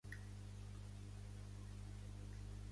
Ho és però així així